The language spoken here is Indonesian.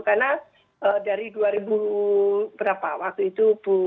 karena dari dua ribu berapa waktu itu